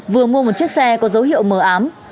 vừa mua một chiếc xe có dấu hiệu mờ ám